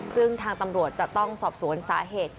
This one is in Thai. ซึ่งทางตำรวจจะต้องสอบสวนสาเหตุ